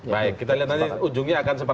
baik kita lihat nanti ujungnya akan semakin